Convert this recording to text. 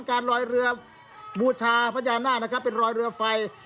การลอยเรือบูชาพญานาคเป็นลอยเรือไฟ